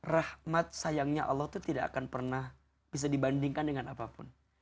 rahmat sayangnya allah itu tidak akan pernah bisa dibandingkan dengan apapun